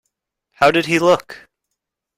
How did he look?